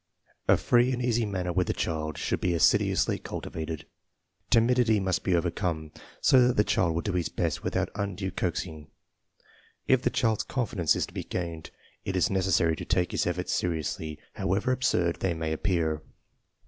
A free and easy manner with the child should be assiduously cultivated. Timidity must be overcome THE USE OF MENTAL TESTS 295 so that the child will do his best without undue coax ing. If the child's confidence is to be gained, it is necessary to take his efforts seriously, however absurd they may appear.